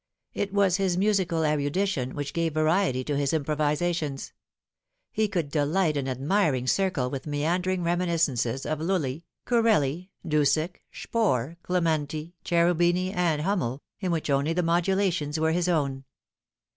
It was his musical erudition which gave variety to his improvisations. He could delight an admiring circle with meandering reminiscence* of Lully, Corelli, Dussek, bpol* 196 fhe Fatal Three. dementi, Cherubim, and Hummel, in which only the modula tions were his own.